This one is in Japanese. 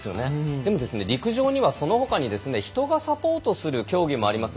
でも陸上には、そのほかに人がサポートする競技もあります。